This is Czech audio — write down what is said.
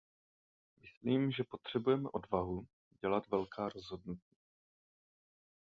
Myslím, že potřebujeme odvahu dělat velká rozhodnutí.